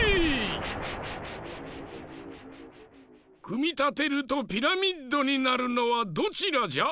くみたてるとピラミッドになるのはどちらじゃ？